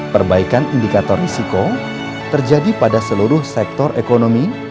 perbaikan indikator risiko terjadi pada seluruh sektor ekonomi